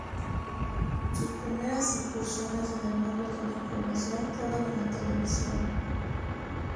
Sus primeras incursiones en el mundo de la información fueron en la televisión.